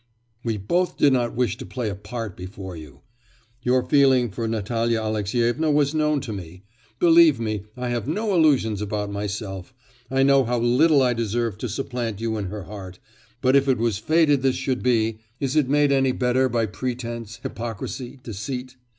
we both did not wish to play a part before you. Your feeling for Natalya Alexyevna was known to me.... Believe me, I have no illusions about myself; I know how little I deserve to supplant you in her heart, but if it was fated this should be, is it made any better by pretence, hypocrisy, and deceit?